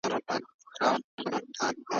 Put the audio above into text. ایا په دې بازار کې تازه مېوې شته؟